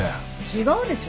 違うでしょ。